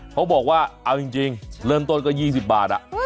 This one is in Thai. เขาบอกว่าเอาจริงเริ่มต้นก็๒๐บาท